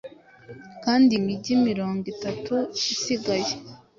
Kandi imigi mirongo itatu isigaye